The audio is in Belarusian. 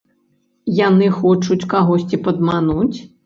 Яны хочуць кагосьці падмануць?